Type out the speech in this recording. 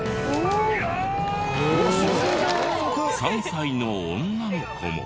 ３歳の女の子も。